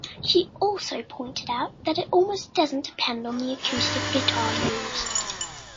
She also pointed out that it almost doesn't depend on the acoustic guitar used.